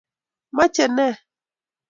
Mache nee?